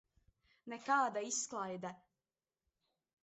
Nekāda izklaide!